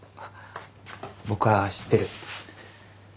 僕は知ってる。